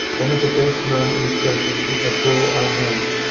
One of the best known of his illustrations is "A Girl I Know".